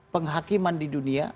penghakiman di dunia